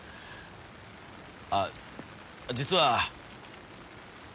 あっ実は。